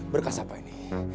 berkas apa ini